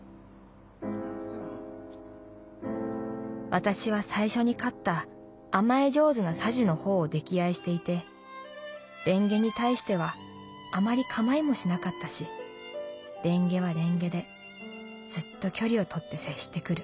「私は最初に飼った甘え上手なサジの方を溺愛していてレンゲに対してはあまり構いもしなかったしレンゲはレンゲでずっと距離を取って接してくる。